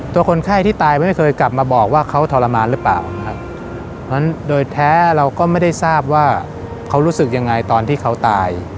คนไข้ที่ตายไม่เคยกลับมาบอกว่าเขาทรมานหรือเปล่านะครับเพราะฉะนั้นโดยแท้เราก็ไม่ได้ทราบว่าเขารู้สึกยังไงตอนที่เขาตาย